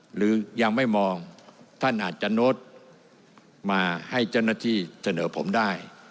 หรือยังไม่มองท่านอาจจะโน้ตมาให้เจ้าหน้าที่เสนอผมได้